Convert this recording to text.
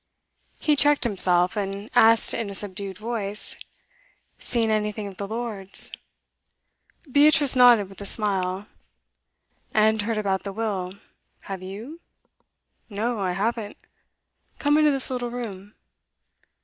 He checked himself, and asked in a subdued voice, 'Seen anything of the Lords?' Beatrice nodded with a smile. 'And heard about the will. Have you?' 'No, I haven't. Come into this little room.